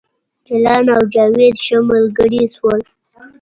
جلان او جاوید ښه ملګري شول